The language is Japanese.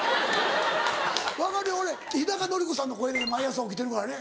分かるよ俺日のり子さんの声で毎朝起きてるからね。